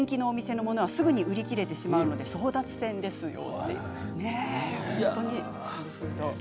人気のお店のものは、すぐに売り切れてしまって争奪戦ですということです。